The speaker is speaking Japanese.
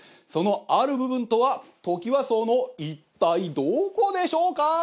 そのある部分とはトキワ荘の一体どこでしょうか？